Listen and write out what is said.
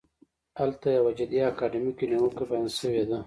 هلته یوه جدي اکاډمیکه نیوکه بیان شوې ده.